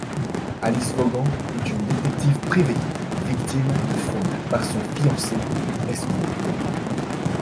Alice Vaughan est une détective privée, victime de fraude par son fiancé escroc.